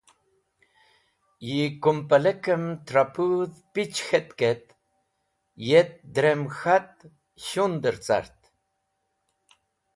Yi kũmpalekem tra pũdh pich k̃hetk et yet drem k̃hat shunder cart.